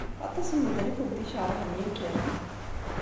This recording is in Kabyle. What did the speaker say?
Aṭas n medden i kent-ikeṛhen ya kan.